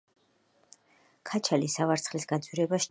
ქაჩალი სავარცხლის გაძვირებას სჩიოდაო